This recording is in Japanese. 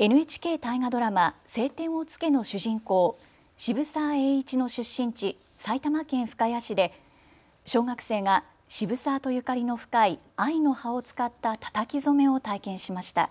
ＮＨＫ大河ドラマ、青天を衝けの主人公、渋沢栄一の出身地、埼玉県深谷市で小学生が渋沢とゆかりの深い藍の葉を使ったたたき染めを体験しました。